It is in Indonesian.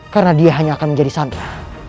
karena dia hanya akan menjadi sandera